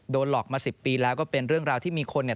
หลอกมา๑๐ปีแล้วก็เป็นเรื่องราวที่มีคนเนี่ย